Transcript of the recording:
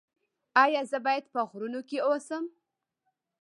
ایا زه باید په غرونو کې اوسم؟